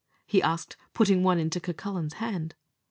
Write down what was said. he asked, putting one into Cucullin's hand.